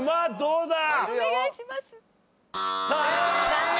残念。